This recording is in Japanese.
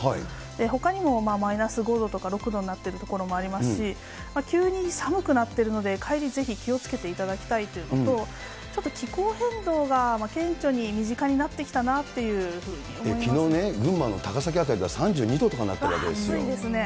ほかにもマイナス５度とか６度になってる所もありますし、急に寒くなってるので、帰り、ぜひ気をつけていただきたいというのと、ちょっと気候変動が顕著に身近になってきたなというふうに思いまきのうね、群馬の高崎辺りで暑いですね。